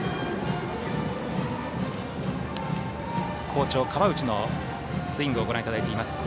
好調、河内のスイングをご覧いただきました。